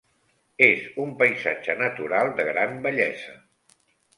És un paisatge natural de gran bellesa.